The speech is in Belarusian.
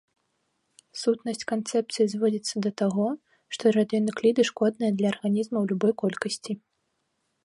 Сутнасць канцэпцыі зводзіцца да таго, што радыенукліды шкодныя для арганізма ў любой колькасці.